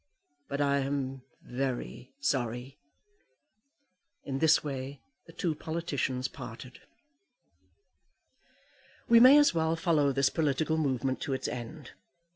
But I am very sorry." In this way the two politicians parted. We may as well follow this political movement to its end.